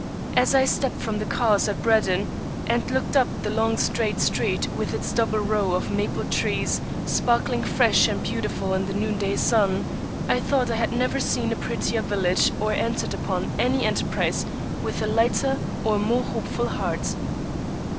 As I stepped from the cars at Brandon and looked up the long straight street with its double row of maple trees sparkling fresh and beautiful in the noonday sun, I thought I had never seen a prettier village or entered upon any enterprise with a lighter or more hopeful heart.